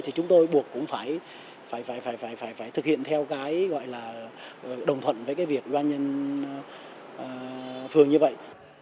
thì chúng tôi buộc cũng phải thực hiện theo cái gọi là đồng thuận với cái việc doanh nhân phường như vậy